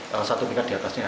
kalau satu dekat di atasnya